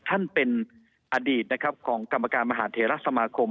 ท่านเป็นอดีตของกรรมการมหาเถระสมาคม